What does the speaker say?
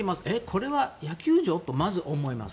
これは野球場？とまず思います。